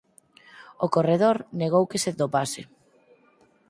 O corredor negou que se dopase.